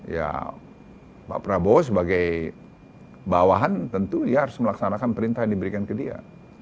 ya pak prabowo sebagai bawahan tentu dia harus melaksanakan perintah yang diberikan ke dia